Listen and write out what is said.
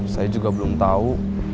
saya juga belum tahu